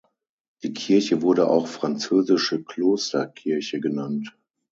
Die Kirche wurde auch französische Klosterkirche genannt.